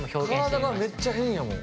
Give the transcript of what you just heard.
体がめっちゃ変やもん。